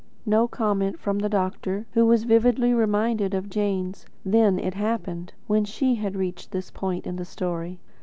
No comment from the doctor, who was vividly reminded of Jane's "Then it happened," when SHE had reached this point in the story.